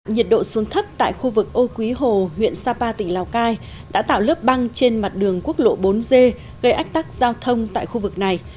nhiệt độ xuống thấp tại khu vực âu quý hồ huyện sapa tỉnh lào cai đã tạo lớp băng trên mặt đường quốc lộ bốn g gây ách tắc giao thông tại khu vực này